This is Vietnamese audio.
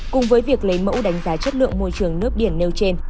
cùng với việc lấy mẫu đánh giá chất lượng môi trường nước biển nêu trên